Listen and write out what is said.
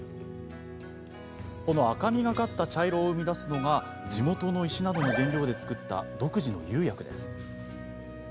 この赤みがかった茶色を生み出すのが地元の石などの原料で作った独自の釉薬です。